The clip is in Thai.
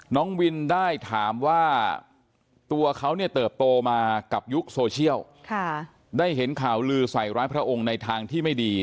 น้องวินได้ถามว่าตัวเขาเนี่ยเติบโตมากับยุคโซเชียลได้เห็นข่าวลือใส่ร้ายพระองค์ในทางที่ไม่ดี